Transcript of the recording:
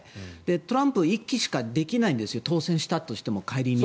トランプは１期しかできないんです当選したとしても仮に。